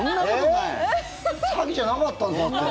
詐欺じゃなかったんですよ、だって。